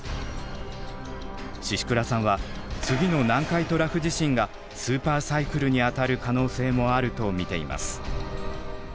宍倉さんは次の南海トラフ地震がスーパーサイクルにあたる可能性もあると見ています。